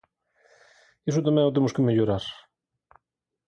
Iso tamén o temos que mellorar.